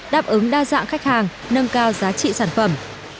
đáp ứng đa dạng khách hàng nâng cao giá trị sản phẩm